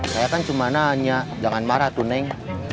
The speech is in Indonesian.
saya kan cuma nanya jangan marah tuh neng